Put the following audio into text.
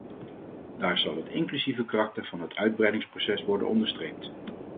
Daar zal het inclusieve karakter van het uitbreidingsproces worden onderstreept.